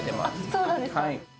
そうなんですか。